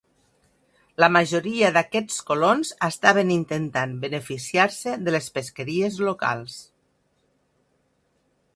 La majoria d"aquests colons estaven intentant beneficiar-se de les pesqueries locals.